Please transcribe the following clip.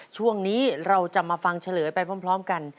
ช่วงนี้เราจะมาฟังเฉลยไปพร้อมกัน